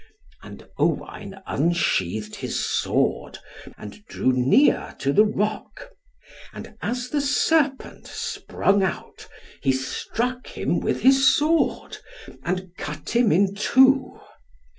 And Owain unsheathed his sword, and drew near to the rock; and as the serpent sprung out, he struck him with his sword, and cut him in two.